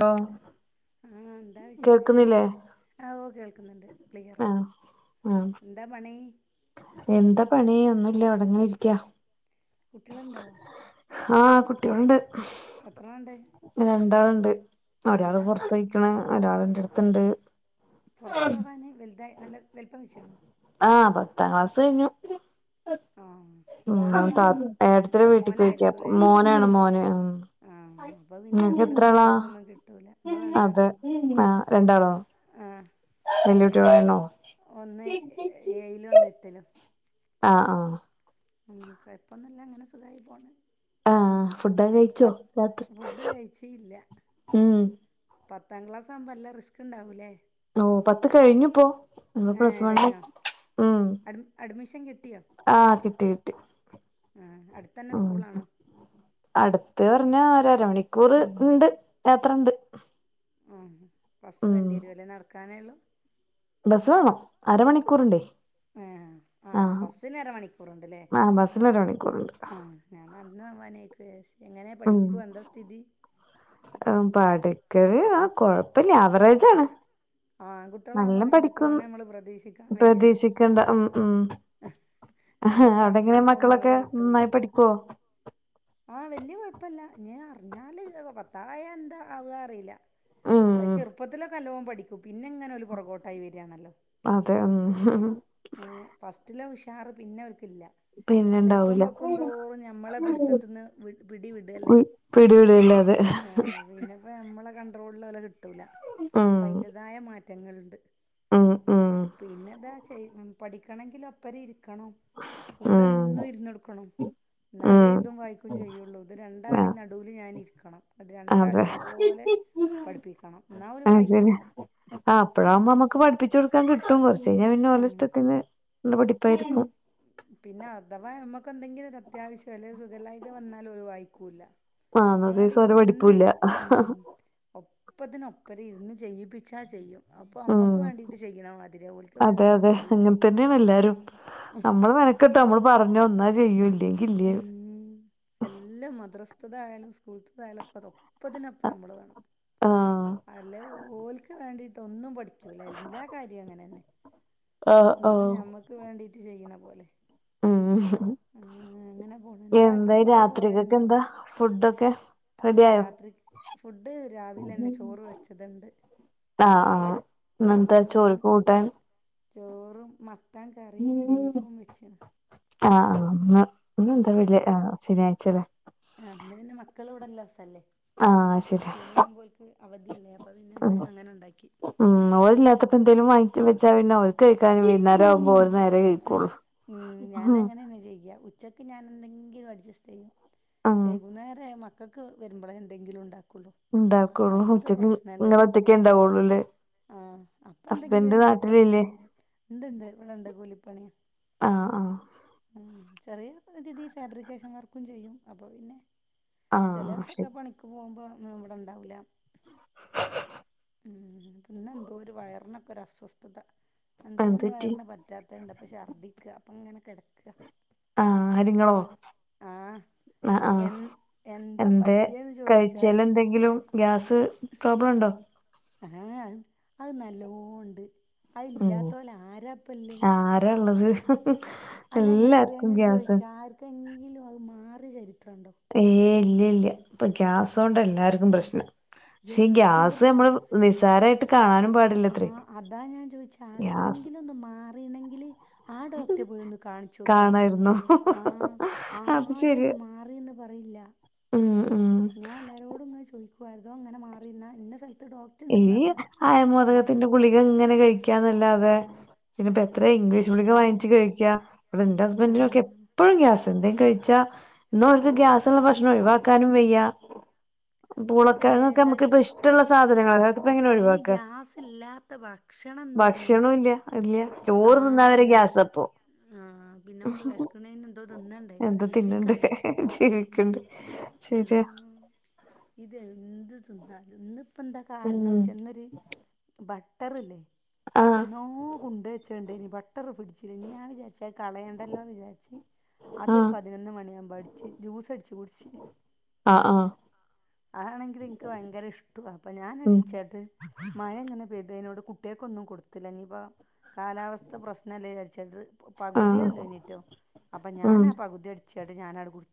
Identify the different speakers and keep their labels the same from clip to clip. Speaker 1: Law
Speaker 2: ആഹ് എന്താ വിശേഷം? ആഹ് ഓ കേൾക്കുന്നുണ്ട് ക്ളിയറാ.
Speaker 1: ആഹ്
Speaker 2: ന്ത പണീ?
Speaker 1: എന്ത പണീ ഒന്നുല്ല ഇവിടിങ്ങനിരിക്കാ.
Speaker 2: കുട്ടിള്ണ്ടോ?
Speaker 1: ആഹ് കുട്ടികളുണ്ട്
Speaker 2: എത്രണ്ണണ്ട്
Speaker 1: രണ്ടാള്ണ്ട് ഒരാള്
Speaker 2: എന്താ
Speaker 1: പൊറത്തോയി. ക്ക്ണ് ഒരാള്ൻ്റടുത്ത്ണ്ട്.
Speaker 2: പൊറത്തോവാന് വലുതായി നല്ല വലുപ്പം വെച്ച്ണോ?
Speaker 1: ആഹ് പത്താ ക്ലാസഴിഞ്ഞു.
Speaker 2: ആഹ്
Speaker 1: ഉം ഓ
Speaker 2: മോനോ
Speaker 1: താ
Speaker 2: മോളോ
Speaker 1: ഏട്ടത്തിൻ്റെ വീട്ട്ക്കൊഴിക്ക.
Speaker 2: മോനായിരിക്കൂല്ലേ
Speaker 1: മോനാണ് മോന്. ഉം
Speaker 2: ആഹ് അപ്പോൾ പിന്നെ നമ്മൾ പിടിച്ചു
Speaker 1: നിങ്ങക്കെത്രാളാ
Speaker 2: കൊടുത്തൊന്നും കിട്ടൂല നമ്മൾ രണ്ടാള്
Speaker 1: അതെ ആഹ് രണ്ടാളോ?
Speaker 2: ആഹ്
Speaker 1: വല്യ കുട്ടികളായിണോ
Speaker 2: ഒന്ന് ഏഴിലും ഒന്ന് എട്ടിലും.
Speaker 1: ആഹ് ആഹ്
Speaker 2: ഉം കൊഴപ്പുന്നുല്ല അങ്ങനെ സുഖിയി പോണ്.
Speaker 1: ആഹ് ഫുഡൊക്ക് കഴി
Speaker 2: പ ഫുഡ് കഴിച്ചീല്ല.
Speaker 1: ഉം
Speaker 2: പത്താം ക്ലാസാആവുമ്പോ എല്ലാ റിസ്ക് ഉണ്ടാവൂലേ?
Speaker 1: ഓ പത്ത് കഴിഞ്ഞുപ്പോ ഒന്ന് പ്ലസ്
Speaker 2: ഏഹ്
Speaker 1: വൺ.
Speaker 2: കഴിഞ്ഞോ
Speaker 1: ഉം
Speaker 2: അഡ്മിഷൻ
Speaker 1: ആഹ് കിട്ടി കിട്ടി.
Speaker 2: ആഹ് അടുത്തന്നെ
Speaker 1: ഉം
Speaker 2: സ്കൂളാണോ?
Speaker 1: അടുത്ത് പറഞ്ഞ ഒരരമണിക്കൂർ ഇണ്ട് യാത്രണ്ട്.
Speaker 2: ആഹ് ബസ്സ് വേണ്ടിവരും അല്ലെ? നടക്കാനേ ഒള്ളു?
Speaker 1: ബസ്സ് വാണം അരമണിക്കൂറ്ണ്ടെ.
Speaker 2: ഏഹ് ആഹ് ബസിന് അര മണിക്കൂറുണ്ട്ല്ലേ
Speaker 1: ആഹ് ബസ്സിന് അരമണിക്കൂറുണ്ട്
Speaker 2: ആഹ്. ഞാൻ നടന്ന്പോവാനേക്കുജാരിച്ചു. എങ്ങനെ പഠിക്കോ എന്താ സ്ഥിതി?
Speaker 1: ആഹ് പഠിക്കല് ആഹ് കൊഴപ്പല്ല, ആവറേജ്ആണ്.
Speaker 2: ആഹ് ആങ്കുട്ട്യാളാവുമ്പോ പിന്നെ തോനെ ഞമ്മള് പ്രെതീക്ഷിക്കാൻ വയ്യല്ലോ.
Speaker 1: ക്കണ്ട ഉം ഉം
Speaker 2: നമ്മൾ
Speaker 1: അവടെങ്ങനെ
Speaker 2: പറഞ്ഞോടത്തൊന്നും ഓലെ
Speaker 1: മക്കളൊക്കെ നന്നായി പഠിക്കോ?
Speaker 2: ആഹ് വല്ല്യെ കൊഴപ്പല്ല ഇഞ്ഞ് അറിഞ്ഞാല് പത്തായ എന്താ ആവാ അറീല. അഹ്
Speaker 1: ഉം
Speaker 2: ചെറുപ്പത്തിലൊക്കെ നല്ലോം പഠിക്കും. പിന്നങ്ങനെ- പുറകോട്ടായി വരാണല്ലോ.
Speaker 1: അതെ ഉം
Speaker 2: ഏ ഫസ്റ്റിലെ ഉഷാറ് പിന്നെ ഓൽക്കില്ല.
Speaker 1: പിന്നെ
Speaker 2: വെൽപ്പം
Speaker 1: ഇണ്ടാവൂല
Speaker 2: വെക്കും തോറും ഞമ്മളെ പിട് ത്തത്ത്ന്ന് വ് പിടി വിടല്ലേ
Speaker 1: പിടിവിടയില്ലാതെ
Speaker 2: ഏ പിന്നെ അപ്പ ഞമ്മളെ കൺട്രോൾല് ഓലെ കിട്ടൂല
Speaker 1: ഉം
Speaker 2: അപ്പൊ അയിൻ്റേതായ മാറ്റങ്ങള്ണ്ട്.
Speaker 1: ഉം ഉം
Speaker 2: പിന്നെ ഇതാ ചെയ് പഠിക്കണങ്കില് ഒപ്പരം ഇര്ക്കണം. കൂടെ
Speaker 1: ഉം
Speaker 2: എന്നും ഇര്ന്നൊട്ക്കണം. ഇന്നാലേ
Speaker 1: ഉം
Speaker 2: എയ്തും വായിക്കും ചെയ്യൊള്ളൂ. ഇത്
Speaker 1: ആഹ്
Speaker 2: രണ്ടാളേം നടൂല് ഞാന് ഇര്ക്കണം. ന്നട്ട്
Speaker 1: അതെ
Speaker 2: രണ്ടാളീം ഒരുപോലെ പഠിപ്പിക്കണം. എന്നാൽ ഓല്
Speaker 1: ആ
Speaker 2: വായിക്കും
Speaker 1: ശരിയാ. ആ അപ്പഴാവുമ്പം നമ്മക്ക് പഠിപ്പിച്ച് കൊടുക്കാൻ കി ട്ടും കൊർച്ച് കഴിഞ്ഞാ പിന്നെ ഓല ഇഷ്ടത്തിന് ഇള്ള പഠിപ്പായിരിക്കും.
Speaker 2: പിന്നെ അഥവാ ഞമ്മക്കെന്തെങ്കിലും ഒര് അത്യാവശ്യോ, അല്ലെ സുഖല്ലായിക വന്നാ ഓല് വായിക്കൂല്ല.
Speaker 1: ആ എന്നാ
Speaker 2: നമ്മളവട
Speaker 1: ദിവസം ഓലെ
Speaker 2: ഇര്ന്ന്
Speaker 1: പഠിപ്പൂല്ല
Speaker 2: ഉം ഒ പ്പത്തിന് ഒപ്പരം ഇര്ന്ന് ചെയ്യിപ്പിച്ചാ ചെയ്യും. അപ്പൊ
Speaker 1: ഉം
Speaker 2: അമ്മക്ക് വേണ്ടീട്ട് ചെയ്യ്ണ മാതിര്യാ, ഓൽക്ക്
Speaker 1: അതെ അതെ
Speaker 2: വാണ്ടീട്ടൊന്നും അല്ല.
Speaker 1: അങ്ങനെ തന്നെയാണ് എല്ലാരും നമ്മള് മെനക്കെട്ടോ നമ്മള് പറഞ്ഞോ ഇന്നാ ചെയ്യും ഇല്ലെങ്കി ഇല്ല.
Speaker 2: ഉം എല്ലം മദ്രസ്ത്തതായാലും സ്കൂൾത്തതായാലും ഒ പ്പതും ഒപ്പതിനൊപ്പരം നമ്മള് വേണം
Speaker 1: ആഹ്
Speaker 2: അല്ലേ ഓൽക്ക് വേണ്ടീട്ട് ഒന്നും പഠി- ചൂല. എല്ലാ കാര്യ അങ്ങനെന്നെ
Speaker 1: ആഹ്
Speaker 2: ഒന്നും
Speaker 1: ആഹ്
Speaker 2: ഞമ്മക്ക് വേണ്ടീട്ട് ചെയ്യ്ണ പോലെ
Speaker 1: ഉം
Speaker 2: [inaudible] എന്താ
Speaker 1: എന്ത്
Speaker 2: ട്രിപ്പൊക്കെ പോവലുണ്ടോ
Speaker 1: രാത്രികക്കെന്താ ഫുഡൊക്കെ റെഡി ആയോ
Speaker 2: രാത്രി ഫുഡ് രാവിലെന്നെ ചോറ് വെച്ചത്ണ്ട്.
Speaker 1: ആ ആ ഇന്നെന്താ
Speaker 2: ചോറും
Speaker 1: ചോറ്ക്ക് കൂട്ടാൻ
Speaker 2: ചോറും മത്തൻ കറീം ബീഫും വെച്ച്ണ്.
Speaker 1: ആ ആ. ഇന്ന് ഇന്നെന്താ വെള്ളി, ആ ശനിയാഴ്ച്ച ലെ
Speaker 2: ആ ഇന്ന് പിന്നെ മക്കള് ഇവട ഇള്ള ദിസല്ലെ?
Speaker 1: ആഹ് ശരി
Speaker 2: ശനി ആവുമ്പോൽക്ക് അവധിയല്ലേ അപ്പൊ പിന്നെ
Speaker 1: ഉം
Speaker 2: ഇന്ന് അങ്ങനെ ഇണ്ടാക്കി.
Speaker 1: ഉം ഓലില്ലാത്തപ്പ എന്തേലും വാങ്ങിച്ച് വെച്ചാ പിന്നെ ഓര്ക്ക് കഴിക്കാന് വൈന്നാരാവുമ്പോ ഒര് നേര്
Speaker 2: ഉം ഞാന അങ്ങനെന്ന ചെയ്യാ ഉച്ചക്ക് ഞാൻ എന്തെങ്കിലും അഡ്ജസ്റ്റ് ചെയ്യും.
Speaker 1: ഉം
Speaker 2: വൈകുന്നേരായാ മക്കക്ക് വെരുമ്പളേ എന്തെങ്കിലും ഇണ്ടാക്കൊള്ളൂ.
Speaker 1: ഇണ്ടാക്കൊള്ളൂ ഉച്ചക്ക് ഇങ്ങളോറ്റക്കെ ഇണ്ടാവൊള്ളു ലെ
Speaker 2: ആ അപ്പൊ എന്തെങ്കിലും, ഇഞ്ഞ്പ്പൊ ഇണ്ട്ണ്ട് ഇവടണ്ട് കൂലി പണിയ.
Speaker 1: ആ ആ
Speaker 2: ഉം ചെറിയ രീതി ഫാബ്രിക്കേഷൻ വർക്കും ചെയ്യും അപ്പൊ പിന്നെ ചെലെ
Speaker 1: ആഹ് ശരി
Speaker 2: ദിവസൊക്കെ പണിക്ക് പോവുമ്പോ ന്ന് ഇവട ഇണ്ടാവൂല. ഉം ഇന്നെന്തോ ഒരു വയർനൊക്ക ഒരു അസ്വസ്ഥത എന്തോ
Speaker 1: എന്ത്
Speaker 2: ഒന്ന്
Speaker 1: പറ്റി
Speaker 2: വയർന് പ ത്തെ കണ്ടപ്പ ഷർദിക്കാ അപ്പങ്ങനെ കെടക്ക
Speaker 1: ആ ആര് ഇങ്ങളോ
Speaker 2: ആഹ്
Speaker 1: ആ ആഹ്
Speaker 2: എ എന്താ
Speaker 1: എന്തേ
Speaker 2: പറ്റിയെന്ന് ചോദിച്ചാൽ
Speaker 1: കഴിച്ചേല് എന്തെങ്കിലും ഗ്യാസ് പ്രോബ്ലം ഇണ്ടോ
Speaker 2: ഹ ഹാ അത് നല്ലോ ഇണ്ട് അതില്ലാത്തോല് ആരാപ്പല്ലേ
Speaker 1: രാ ഇള്ളത്
Speaker 2: അല്ല ഞാൻ അറിയാഞ്ഞിട്ട് ചോഴിക്ക ആർക്കെങ്കിലും അത് മാറിയ ചരിത്രം ഇണ്ടോ
Speaker 1: ഏ ഇല്ല്യ ഇല്ല്യ ഇപ്പൊ ഗ്യാസോണ്ട എല്ലാര്ക്കും പ്രശ്നം പക്ഷെ ഈ ഗ്യാസ്
Speaker 2: എത്ര
Speaker 1: നമ്മള് നിസാരായിട്ട് കാണാനും പാടില്ലത്രേ ഗ്യാസ്
Speaker 2: ആര്തെങ്കിലും ഒന്ന് മാറീണെങ്കില് ആ ഡോക്ടറ്റെ പോയി ഒന്ന് കാൺച്ചോക്കേനും
Speaker 1: കാണായിരുന്നു.
Speaker 2: ആ
Speaker 1: അത്
Speaker 2: ആരൊന്ന്
Speaker 1: ശരിയാ.
Speaker 2: മാ മാറീയന്ന് പറയില്ല
Speaker 1: ഉം ഉം
Speaker 2: ഞാൻ എല്ലാരോടുംങ് ചോദിക്കുവായിരുന്നു തൊ അങ്ങനെ മാറിന്ന ഇനസ്ഥലത്ത് ഡോക്
Speaker 1: ഈ ആയമോദകത്തിന്റെ ഗുളിക ഇങ്ങനെ കഴിക്കാന്നല്ലാതെ പിന്നപ്പൊ എത്ര ഇംഗ്ലീഷ് ഗുളിക
Speaker 2: ഇൻ്റമ്മേ
Speaker 1: വാങ്ങിച്ച് കഴിക്ക ഇവിടെ എന്റെ
Speaker 2: ആ
Speaker 1: ഹസ്ബൻഡിനൊക്കെ എപ്പോഴും ഗ്യാസ എന്തേ കഴിച്ചാ ഇന്ന് അവർക്ക് ഗ്യാസള്ള ഭക്ഷണം ഒഴിവാക്കാനും വയ്യ
Speaker 2: എ
Speaker 1: പൂളക്കിഴങ്ങ്ക്കെ
Speaker 2: ഏതാ ഗ്യ
Speaker 1: നമുക്ക്പ്പ ഇഷ്ടുള്ള സാധനങ്ങളല്ലെ ഇപ്പ എങ്ങനെ
Speaker 2: അതിന്
Speaker 1: ഒഴിവാക്ക
Speaker 2: ഗ്യാസ് ഇല്ലാത്ത ഭക്ഷണം എന്താല്ലേ
Speaker 1: ഭക്ഷണ ഇല്ല ഇല്ല ചോറ് തിന്നവരെ ഗ്യാസപ്പോ
Speaker 2: ആഹ് പിന്നെ നമ്മള് വിഷ്ക്ക്ണന് എന്തോ തിന്നണ്ടേ ജീവിക്കണ്ടേ
Speaker 1: ജീവിക്കണ്ട് ശരിയാ
Speaker 2: ഇത് എന്ത് തിന്നാലും ഇന്ന് ഇപ്പോ എന്താ കാരണം
Speaker 1: ഉം
Speaker 2: വെച്ച ഇന്നൊരു ബട്ടറില്ലേ
Speaker 1: ആഹ്
Speaker 2: എന്നോ കുണ്ട് വെച്ചണ്ട് ഇനി ബ ട്ടറ് പിടിച്ചില്ല ഞാൻ വിചാരിച്ച കളയണ്ടല്ലോ വിചാരിച്ച് അതൊരു
Speaker 1: ആഹ്
Speaker 2: പതിനൊന്ന് മണിയാവുമ്പോൾ അടിച്ച് ജ്യൂസ് അടിച്ച് കുടിച്ച്
Speaker 1: ആഹ് ആഹ്
Speaker 2: അആണെണെങ്കിൽ എനിക്ക് ഭയങ്കര ഇഷ്ട അപ്പൊ ഞാൻ
Speaker 1: ഉം
Speaker 2: അടിച്ച്ട്ട് മഴ എങ്ങനെ പെയ്തയ്നോട് കുട്ടികൾക്കെന്നും കൊടുത്തില്ല ഇനിപ്പ കാലാവസ്ഥ പ്രശ്നല്ലേ വിചാരിച്ച്ട്ട് പകുതിയ
Speaker 1: ആഹ്
Speaker 2: ഉള്ളു എനിട്ടോ അപ്പൊ ഞാൻ ആ പകുതി എടു ച്ട്ട ഞാന കുടു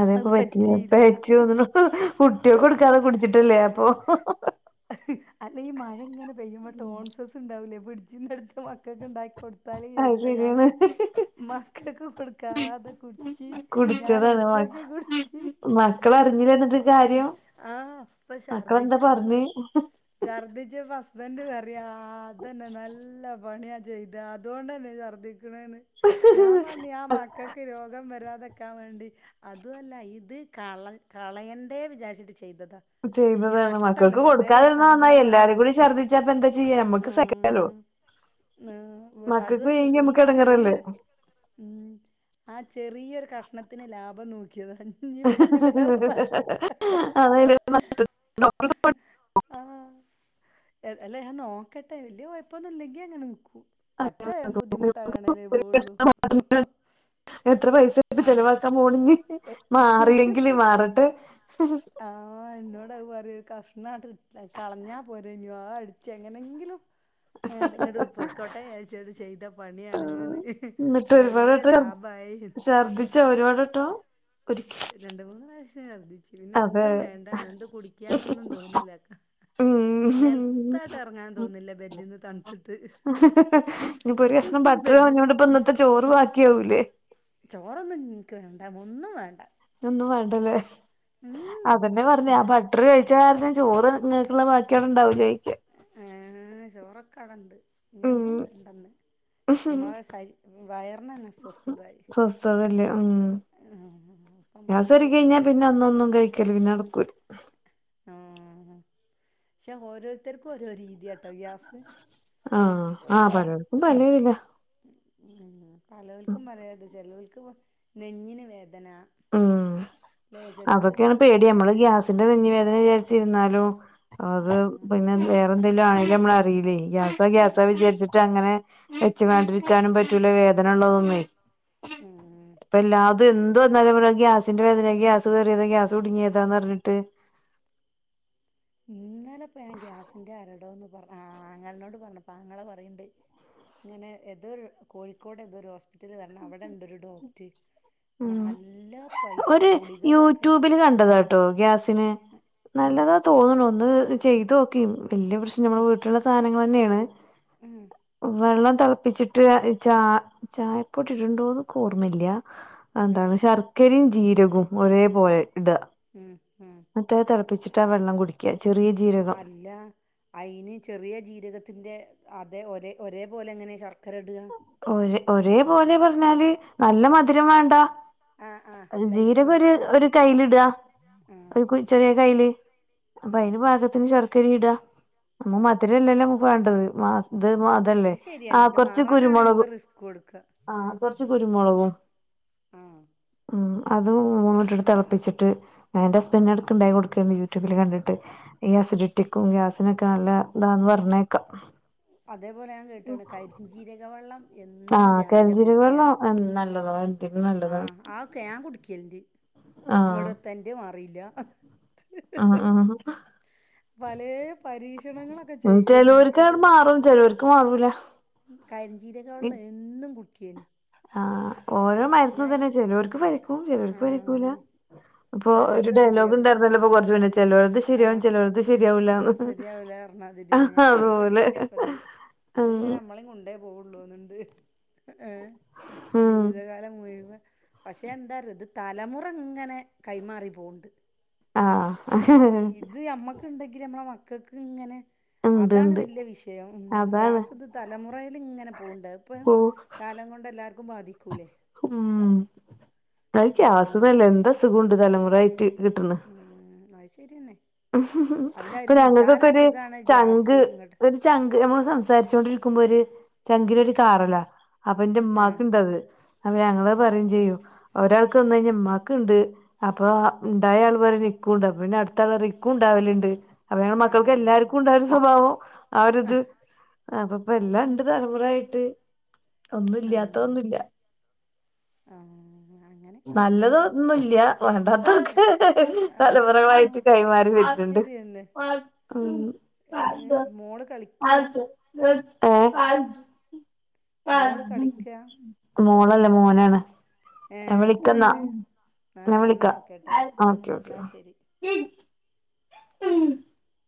Speaker 1: അതെ പറ്റിപ്പയ പെ ഏച്ചെയ്ന്ന് തോന്നണു ഹെ കുട്ടിയൊക്ക കൊടുക്കാതെ കുടിച്ചിട്ടല്ലേ അപ്പൊ
Speaker 2: അല്ല ഈ മഴ ഇങ്ങനെ പെയ്യുമ്പ ടോൺസസ് ഉണ്ടാവൂലേ പിടിച്ചിന്റെ എടുത്ത മക്കൊക്കെ ഇണ്ടാക്കി കൊ തലേ
Speaker 1: അത്
Speaker 2: വിചാരിച്ചിട്ടാ ഞാന്
Speaker 1: ശരിയാണ്
Speaker 2: മക്കക്ക് കൊടുക്കാതെ കുടിച്ചി ഞാൻ
Speaker 1: കുടിച്ചതാണ് മ
Speaker 2: ഒറ്റൊക്കെ കുടിച്ചി ഇങ്ങട് ബാ
Speaker 1: മക്കളറിഞ്ഞില്ല എന്നിട്ട് കാര്യം
Speaker 2: ആഹ് ഇപ്പ
Speaker 1: മക്കളെന്താ
Speaker 2: ഛർദിച്ചപ്പ പറ
Speaker 1: പറഞ്ഞ്
Speaker 2: ഛർദ്ദിച്ചപ്പോ ഹസ്ബൻന്റ് പറയ അതന്നെ നല്ല പണിയാ ചെയ്തു അതുകൊണ്ടന്നെ ഛർദ്ദിക്കണേന്ന് ഞാൻ പറഞ്ഞു ഞാ മ മക്കക്ക് രോഗം വരാതക്കാൻ വേണ്ടി അതല്ല ഇത് കള കളയൻ ണ്ടെ വിചാരിച്ചിട്ട് ചെയ്തതാ ഇനി
Speaker 1: ചെയ്യുന്നതാണ്
Speaker 2: നഷ്ടല്ല
Speaker 1: മക്കൾക്ക്
Speaker 2: വെറുതെ ഒരു
Speaker 1: കൊടുക്കാതിരുന്നാ നന്നായി
Speaker 2: സാധനം വാങ്ങിയ
Speaker 1: എല്ലാരും കൂടി ഛർദ്ദിച്ചാപ്പ എന്താ ചെയ്യാ നമ്മക്ക്
Speaker 2: ഹാ
Speaker 1: സഹിക്കാലോ മക്കക്ക്
Speaker 2: അതുല്ലേ
Speaker 1: വയ്യെങ്കി
Speaker 2: ഈ
Speaker 1: നമ്മക്ക്
Speaker 2: ഒരു
Speaker 1: എടങ്ങേറല്ലേ
Speaker 2: ചെറിയൊരു ഉം ആ ചെറിയൊരു കഷ്ണത്തിന് ലാഭം നോക്കിയത് ഞൻപ്പതിലേറെ
Speaker 1: ആ അതിലേറെ നഷ്ടത്തിലേക്ക്
Speaker 2: ആഹ് അല്ല ഞാൻ നോക്കട്ടെ വല്ലിയ കൊയ്പ്പനില്ലക്കിൽ അങ്ങനെ നിക്കൂ പറ്റേ ബുദ്ധിമുട്ടാകണേലേ പോവുള്ളൂ
Speaker 1: എത്ര പൈസായിട്ട് ചെലവാക്കാൻ പോണിനി
Speaker 2: അങ്ങ്
Speaker 1: മാറിയെങ്കില് മാറട്ടെ
Speaker 2: ആഹ് എന്നോട് പറയ ഒരു കഷ്ണട്ട് കളഞ്ഞാ പോരെ ആനെ അത് അടിച്ച എങ്ങനെങ്കിലും ഇങ്ങോട്ട പൊയ്കോട്ടെന്ന് വിചാരിച്ച് ചെയ്ത പണിയാണ് ന്ന് ഭയങ്കര ലാഭായി
Speaker 1: ശർദി ച്ചൊ ഒരു വാട് വട്ടം ഒരുക്കി
Speaker 2: രണ്ട മൂന്ന് പ്രാവശ്യം ഛർദ്ദിച്ചു പിന്നെ എന്തും വേണ്ടണോ എന്തും കുടിക്കാനൊന്നും തോന്നുന്നില്ലക്ക
Speaker 1: ഉം
Speaker 2: നെൽത്തായിട്ട് ഇറങ്ങാൻ തോന്നില്ല ബെഡിന്ന് തണുത്തിട്ട്
Speaker 1: ഇനിയിപ്പോ ഒരു കഷ്ണം ബട്ടർ
Speaker 2: ബെഡില്
Speaker 1: കളഞ്ഞോണ്ട് ഇന്നിപ്പ ഇന്നത്തെ ചോറ് ബാക്കിയാവൂലേ
Speaker 2: ചോറൊന്നും ഇന്ക്ക് വേണ്ട ഒന്നും വേണ്ട
Speaker 1: ഒന്നും വേണ്ടല്ലേ
Speaker 2: ഉം
Speaker 1: അതെന്നെ പറഞ്ഞേ ആ
Speaker 2: ഞാ
Speaker 1: ബട്ടർ കഴി ഴിച്ച കാരണം ചോറ് നിങ്ങൾക്കുള്ള ബാക്കിയവ്ടെ ഇണ്ടാവൂലേയിക്ക
Speaker 2: ഏഹ് ചോറൊക്കവ്ടണ്ട്
Speaker 1: ഉം
Speaker 2: ഇഞ്ഞെന്നും വേണ്ടന്ന് നമ്മളെ ശരി വയറിനന്നെ സ്വസ്ഥതായി
Speaker 1: സ്വസ്ഥതല്ലേ ഉം
Speaker 2: [unintelligible] അപ്പമ്മക്കൊരു സുഖല്ല
Speaker 1: കെരീന ബക്കൂർ
Speaker 2: ആഹ് പക്ഷെ ഓരോരുത്തർക്കും ഓരോ രീതിയാട്ടോ ഗ്യാസ്
Speaker 1: ആഹ് ആഹ് പലർക്കും പലേ രിലാ
Speaker 2: ഉം പലവൽക്കും പലേത് ചെലോൽക്ക് നെഞ്ഞിന് വേദന
Speaker 1: ഉം
Speaker 2: ല്ലേ ചേലോൽക്ക് ഗ്യാസ് ഇങ്ങട്ട് കേറിയ
Speaker 1: ത്തിന്റെ നെഞ്ഞി വേദനെ വിചാരിച്ചിര്ന്നാലും അത്
Speaker 2: ആഹ്
Speaker 1: പിന്നെ വേറെ എന്തെലും ആയാലും നമ്മളറില്ലേ ഗ്യാസോ ഗ്യാസോ
Speaker 2: അറിയില്ല
Speaker 1: വിചാരിച്ചട്ട് അങ്ങനെ വെച്ചു കാണ്ടിരിക്കാനും പറ്റൂല്ല വേദന ഉള്ളതൊന്നേ
Speaker 2: ഉം
Speaker 1: ഇപ്പല്ലാതും എന്ത് വന്നാലും പറയും അത് ഗ്യാസിന്റെ വേദനെ ഗ്യാസ് കയറിയതാ ഗ്യാസ് കുടുങ്ങിയതാന്നറഞ്ഞിട്ട്
Speaker 2: ഇന്നലെപ്പ ഞാൻ ഗ്യാസിന്റെ അരടോന്ന് പറഞ്ഞ ആ ആങ്ങളനോട് പറഞ്ഞപ്പ ആങ്ങള പറയ്ണ്ട് ഇങ്ങനെ ഏതൊരു കോഴിക്കോട് എതോരു ഹോസ്പിറ്റല് കൺണം അവിടെണ്ടൊരു ഡോക്ട്
Speaker 1: ഉം ഒരു
Speaker 2: ഗുളികകൊക്കെ
Speaker 1: യൂട്യൂബില് കണ്ടതാട്ടോ ഗ്യാസിന്
Speaker 2: ഉം
Speaker 1: നല്ലതാ തോന്ന്ണു ഒന്ന് ചെയ്തോക്കി വല്ല്യ പ്രശ്നം നമ്മുടെ വീട്ടിലുള്ള സാധനങ്ങളന്നേണ്
Speaker 2: ഉം
Speaker 1: വെള്ളം തിളപ്പിച്ചി [unintelligible] ചാ ചായപൊടി ഇട്ണ്ടോന്ന് ഇക്ക് ഓർമ്മല്ല
Speaker 2: ഉം
Speaker 1: എന്താണ് ശർ ക്കരിം ജീരകും ഒരേ പോലെ ഇട
Speaker 2: ഉം ഉം
Speaker 1: ഇന്നട്ട് അത് തളപ്പിച്ചിട്ട് ആ വെള്ളം കുടി ക്ക്യ ചെറിയ ജീര
Speaker 2: അല്ല അയിന് ചെറിയ ജീരകത്തിന്റെ അതെ ഒരേ ഒരേ പോലെ എങ്ങനെ ശർക്കര ഇട
Speaker 1: ഒരേ ഒരേ പോലെ പറഞ്ഞാല് നല്ല മധുരം വേണ്ട
Speaker 2: ആ ആ
Speaker 1: അത്
Speaker 2: ലൈറ്റ്
Speaker 1: ജീരകം ഒര്
Speaker 2: മധുരത്തില് ആ
Speaker 1: ഒര് കയ്യില് ഇട
Speaker 2: ആ
Speaker 1: ഒരു ചെറിയ കൈയില് അപ്പൊ
Speaker 2: ഉം
Speaker 1: അയിന് പാകത്തിന് ശർക്കരി ഇടാ
Speaker 2: ആ
Speaker 1: [unintelligible] മധിരല്ലല്ലോ നമുക്ക് വേണ്ടത് മാ ഇത് മാ അതല്ലേ
Speaker 2: അത്
Speaker 1: ആ
Speaker 2: ശരിയന്നെ ഇത്
Speaker 1: കുറ
Speaker 2: മാറാനാണ്
Speaker 1: കുരുമൊളക്
Speaker 2: എന്ത് റിസ്ക് കൊടുക്കുക
Speaker 1: ആ കുറച്ച് കുരുമൊളകും
Speaker 2: ആ
Speaker 1: ഉം അത് മൂന്നു കൂടിട്ട്ട്ട് തിളപ്പിച്ചിട്ട് എന്റെ ഹസ്ബന്റിന് എടക്ക് ഇണ്ടാക്കി കൊടുക്കല്ണ്ട് യൂട്യൂബില് കണ്ടിട്ട് ഈ അസിഡിറ്റിക്കും ഗ്യാസിനൊക്കെ നല്ല ഇതാന്ന് പറഞ്ഞേക്കാ
Speaker 2: അതേപോലെ ഞാൻ കേട്ട്ണ് കരിഞ്ചീരക വെള്ളം എന്നും രാവിലെ
Speaker 1: കരിഞ്ജീരക
Speaker 2: കുടിക്ക്യ
Speaker 1: വെള്ളം ആഹ് നല്ലതാണ് എന്തിനും
Speaker 2: ആഹ് ആ ഒക്കെ ഞാൻ കുടിക്കലുണ്ട്
Speaker 1: ആഹ്
Speaker 2: ഇങ്ങട്ട് എത്ത ഇൻ്റെ മാറില്ല
Speaker 1: ആഹ് ആഹ്
Speaker 2: പലേ പരീക്ഷണങ്ങളൊക്കെ ചെയ്യൽണ്ട് ഇങ്ങട്ടൊ
Speaker 1: [unintelligible] ക്കാവൂല
Speaker 2: കരിഞ്ചീരക വെള്ളം എന്നും കുടക്കിയേനി
Speaker 1: ആഹ് ഓരോ മര്ന്ന് ഇതന്നെ ചെലോർക്ക് ഫലിക്കും ചെലോർക്ക് ഫലിക്കൂല
Speaker 2: ആഹ്
Speaker 1: അപ്പൊ ഒരു
Speaker 2: ചെലോൽത്
Speaker 1: ഡയലോഗ്
Speaker 2: റെഡിയാവും
Speaker 1: ഉണ്ടായിരുന്നല്ലപ്പൊ കൊറച്ച് മുന്നേ ചെലോൽത് ശ് ശരിയാവും ചെലോൽത് ശരിയാവൂലാന്ന്
Speaker 2: ശരിയാവൂല പറഞ്ഞാതിരിന്നെ
Speaker 1: അതുപോലെ ഉം
Speaker 2: ഇത്ങ്ങനെ മ്മളി കൊണ്ടേ പോവുള്ളുന്ന്ണ്ട് ഏഹ്
Speaker 1: ഉം
Speaker 2: ജീവിതകാലം മുയുവൻ പഷെ എന്താ അറിയോ ഇത് തലമുറ ഇങ്ങനെ കൈമാറി പോണ്ട്.
Speaker 1: ആഹ്
Speaker 2: ഇത് ഞമ്മക്ക് ഇണ്ടെങ്കില് അമ്മളെ മക്കക്ക് ഇങ്ങനെ
Speaker 1: ഇണ്ട്
Speaker 2: അതാണ്
Speaker 1: ഇണ്ട്
Speaker 2: വെല്യ വിഷയം ഉം
Speaker 1: അതാണ്
Speaker 2: ഗ്യാസ് ഇത് തലമുറേല് ഇങ്ങനെ പോണ്ട് അതിപ്പൊ
Speaker 1: പോ
Speaker 2: കാലം കൊണ്ട് എല്ലാർക്കും ബാധിക്കൂലേ?
Speaker 1: ഉം അത് ഗ്യാസ് ഒന്നു അല്ല എന്തോ അസുഖണ്ട് തലമുറ ആയിറ്റ്.
Speaker 2: ഉ ഉം അത് ശരിയെന്നെ.
Speaker 1: ഇപ്പം ഞങ്ങക്കൊക്കെ ഒര്
Speaker 2: അസുഖാണ്
Speaker 1: ചങ്ക്
Speaker 2: ഗ്യാസ് ഇങ്ങട്ട്
Speaker 1: ഒര് ചങ്ക് ഞമ്മള് സംസാരിച്ചോണ്ടിരിക്കുമ്പോ ഒര് ചങ്കിലൊരു കാറലാ. അപ്പൊ ന്റെ
Speaker 2: ആഹ്
Speaker 1: ഉമ്മാക്ക് ഇണ്ടത് അപ്പൊ ഞങ്ങള് പറയും ചെയ്യും ഒരാൾക്ക് വന്ന് കഴിഞ്ഞാ ഇമ്മാക്ക്ണ്ട് അപ്പൊ ഇണ്ടായ ആള് പറയു നിക്കുണ്ട് അപ്പ പിന്നെ അടുത്ത ആള് പറിയു ഇക്ക് ക്കുണ്ടാവലണ്ട് അപ്പ ഞങ്ങ മക്കൾക്ക്
Speaker 2: ആഹ്
Speaker 1: എല്ലാർക്കും ഇണ്ടാ ഒരു സ്വഭാവം ആ ഒര് ഇത് അപ്പൊ ഇപ്പ എല്ലാണ്ട് തലമുറ ആയിട്ട്.
Speaker 2: ആഹ് ആഹ്
Speaker 1: നല്ലതൊന്നുല്ല്യാ വേണ്ടാ
Speaker 2: ഉം
Speaker 1: തലമുറകളായിറ്റ് കൈമാറി
Speaker 2: അത്
Speaker 1: വെര്ന്ന്ണ്ട്
Speaker 2: ശരിയന്നെ
Speaker 1: ഉം.
Speaker 2: എടെ മോള് കളിക്ക
Speaker 1: ഏഹ്?
Speaker 2: മോള് കളിക്ക
Speaker 1: മോളല്ല മോനാണ്. ഞാൻ
Speaker 2: ഏഹ് എത്ര
Speaker 1: വിളിക്കന്നാ
Speaker 2: ആയിണ്
Speaker 1: ഞാൻ
Speaker 2: ആഹ് ഇന്നാ
Speaker 1: വിളിക്കാം
Speaker 2: ഓക്കെട്ടോ
Speaker 1: ഓക്കെ
Speaker 2: ഇന്നാ ശെരി.
Speaker 1: ഉം.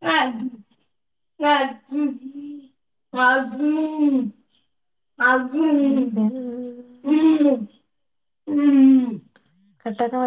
Speaker 2: [unintelligible]
Speaker 1: [unintelligible] [unintelligible] കട്ടക്കാൻ പറ്റ്